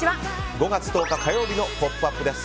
５月１０日、火曜日の「ポップＵＰ！」です。